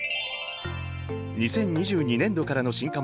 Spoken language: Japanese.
２０２２年度からの新科目